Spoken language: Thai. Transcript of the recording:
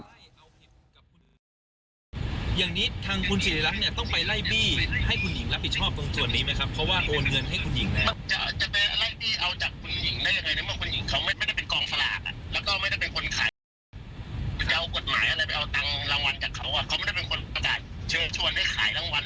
อย่างนี้ทางคุณสิริรัติต้องไปไล่บี้ให้คุณหญิงรับผิดชอบตรงส่วนนี้ไหมครับ